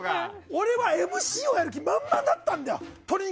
俺はＭＣをやる気満々だったんだよ。